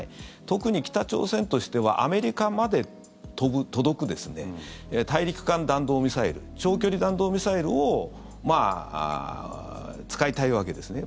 特に北朝鮮としてはアメリカまで飛ぶ、届く大陸間弾道ミサイル長距離弾道ミサイルを使いたいわけですね。